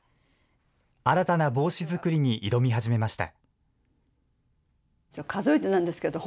新たな帽子作りに挑み始めました。